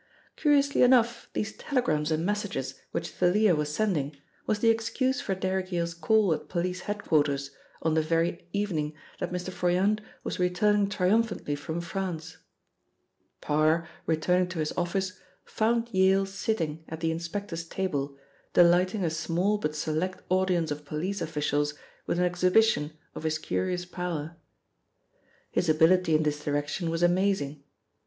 Curiously enough these telegrams and messages which Thalia was sending was the excuse for Derrick Yale's call at police head quarters, on the very evening that Mr. Froyant was returning triumphantly from France. Parr, returning to his office, found Yale sitting at the inspector's table, delighting a small but select audience of police officials with an exhibition of his curious power. His ability in this direction was amazing.